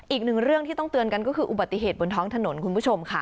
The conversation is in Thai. อีกหนึ่งเรื่องที่ต้องเตือนกันก็คืออุบัติเหตุบนท้องถนนคุณผู้ชมค่ะ